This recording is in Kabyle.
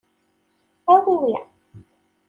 Awi wi.